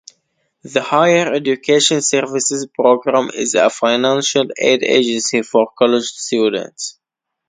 The Higher Education Services program is a financial aid agency for college students.